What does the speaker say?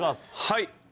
はい。